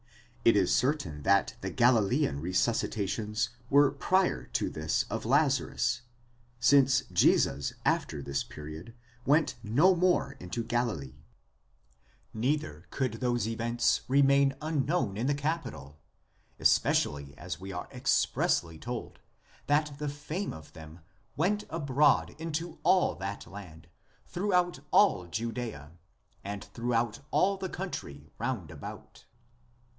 It is certain that the Galilean resuscitations were prior to this of Lazarus, since Jesus after this period went no more into Galilee ; neither could those events remain unknown in the capital,"! especially as we are are expressly told that the fame of them went abroad into all that land, throughout all Judea, and throughout all the country round about.